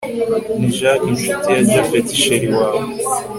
ni jack inshuti ya japhet chr wawe